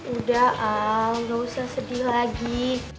udah gak usah sedih lagi